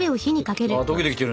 溶けてきてるね。